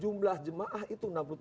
jumlah jamaah itu enam puluh tiga ribu